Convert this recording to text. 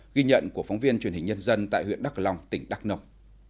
ghi nhận của phóng viên truyền hình nhân dân tại huyện đắk long tỉnh đắk nông